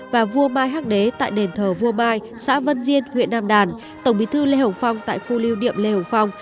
và vua mai hác đế tại đền thờ vua mai xã vân diên huyện nam đàn tổng bí thư lê hồng phong tại khu lưu điệm lê hồng phong